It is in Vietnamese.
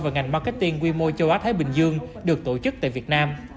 và ngành marketing quy mô châu á thái bình dương được tổ chức tại việt nam